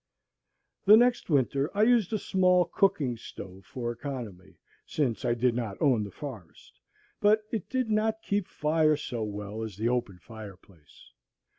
The next winter I used a small cooking stove for economy, since I did not own the forest; but it did not keep fire so well as the open fire place.